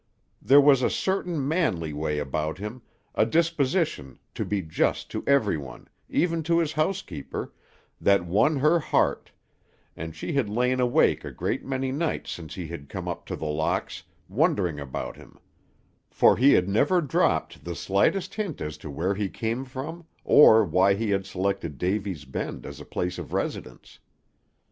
There was a certain manly way about him a disposition to be just to everyone, even to his housekeeper that won her heart; and she had lain awake a great many nights since he had come to The Locks, wondering about him; for he had never dropped the slightest hint as to where he came from, or why he had selected Davy's Bend as a place of residence.